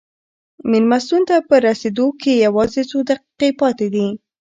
مېلمستون ته په رسېدو کې یوازې څو دقیقې پاتې دي.